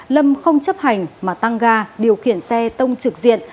lâm không chấp hành mà tăng ga điều khiển xe tông trực diện